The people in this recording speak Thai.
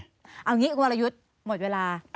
เอาอย่างนี้คุณวรยุทธ์หมดเวลา